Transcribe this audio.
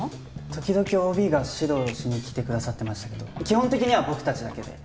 時々ＯＢが指導しに来てくださってましたけど基本的には僕たちだけで。